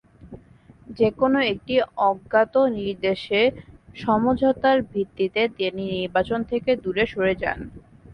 যেকোনো একটি অজ্ঞাত নির্দেশে সমঝোতার ভিত্তিতে তিনি নির্বাচন থেকে দূরে সরে যান।